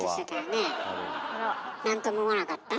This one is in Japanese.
なんとも思わなかった？